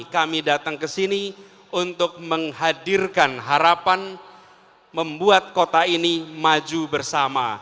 kami datang ke sini untuk menghadirkan harapan membuat kota ini maju bersama